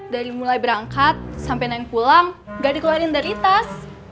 dari mulai berangkat sampai naik pulang nggak dikeluarin dari tas